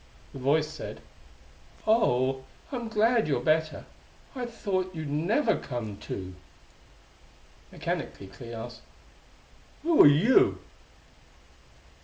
The Voice said: "Oh, I'm so glad you're better! I thought you'd never come to!" Mechanically Clee asked: "Who are you?"